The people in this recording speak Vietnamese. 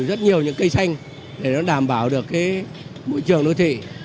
để nó đảm bảo được cái môi trường đô thị